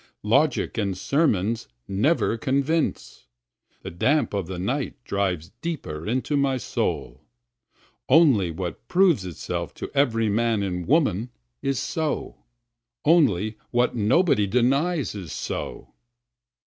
Logic and sermons never convince, The damp of the night drives deeper into my soul. (Only what proves itself to every man and woman is so, Only what nobody denies is so.)